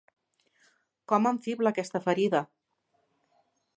Com em fibla aquesta ferida!